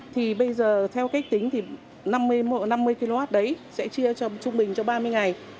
thì bây giờ theo cách tính thì năm mươi kw đấy sẽ chia cho trung bình cho ba mươi ngày